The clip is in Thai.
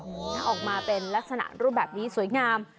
ถ้าออกมาเป็นลักษณะรูปแบบนี้สวยงาม